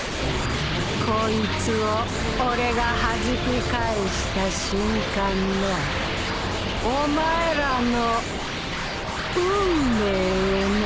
こいつを俺がはじき返した瞬間のお前らの運命をな。